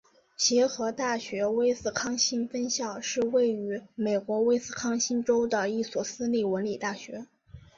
协和大学威斯康辛分校是位于美国威斯康辛州的一所私立文理大学。